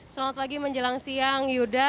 selamat pagi menjelang siang yuda